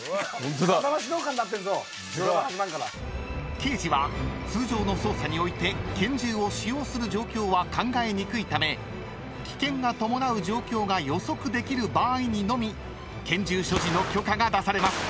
［刑事は通常の捜査において拳銃を使用する状況は考えにくいため危険が伴う状況が予測できる場合にのみ拳銃所持の許可が出されます］